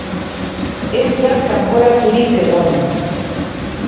Ez da kanporaturik egon.